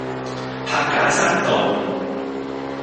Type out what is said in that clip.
柏架山道